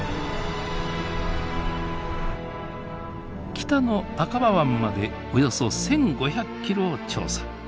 北のアカバ湾までおよそ１，５００ｋｍを調査。